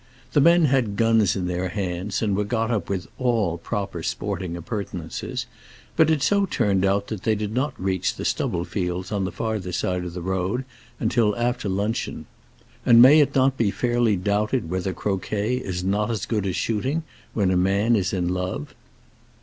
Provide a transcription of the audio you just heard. The men had guns in their hands, and were got up with all proper sporting appurtenances, but it so turned out that they did not reach the stubble fields on the farther side of the road until after luncheon. And may it not be fairly doubted whether croquet is not as good as shooting when a man is in love?